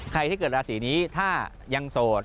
ใครที่เกิดราศีนี้ถ้ายังโสด